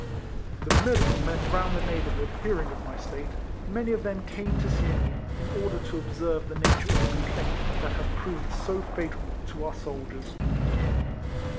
The medical men round the neighbour hood hearing of my state, many of them came to see me, in order to observe the nature of a complaint that had proved so fatal to our soldiers.